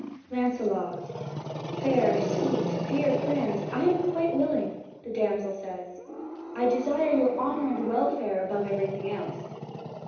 "Lancelot, fair, sweet dear friend, I am quite willing," the damsel says; "I desire your honour and welfare above everything everywhere."